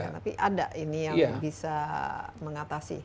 tapi ada ini yang bisa mengatasi